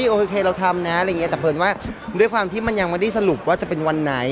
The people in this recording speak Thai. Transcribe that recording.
โอเคเราทำนะอะไรอย่างนี้แต่เพลินว่าด้วยความที่มันยังไม่ได้สรุปว่าจะเป็นวันไหน